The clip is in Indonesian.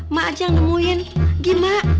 mak aja yang nemuin gimak